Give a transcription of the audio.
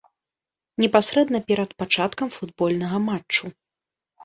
Непасрэдна перад пачаткам футбольнага матчу.